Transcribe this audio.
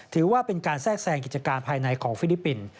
ถือว่าเป็นการแทรกแทรงกิจการภายในของฟิลิปปินส์